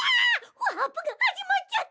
ワープがはじまっちゃった！